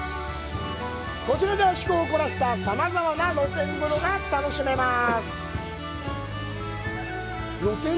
こちらでは、趣向を凝らしたさまざまな露天風呂が楽しめます。